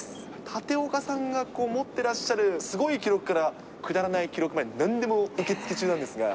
立岡さんが持ってらっしゃるすごい記録から、くだらない記録までなんでも受け付け中なんですが。